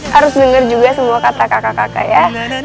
harus dengar juga semua kata kakak kakak ya